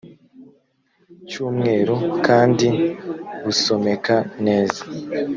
cy umweru kandi busomeka neza